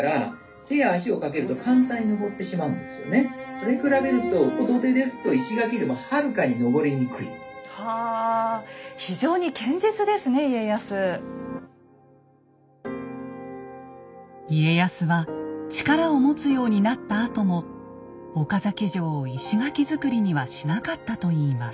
それに比べると家康は力を持つようになったあとも岡崎城を石垣造りにはしなかったといいます。